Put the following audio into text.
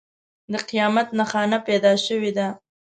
د قیامت نښانه پیدا شوې ده.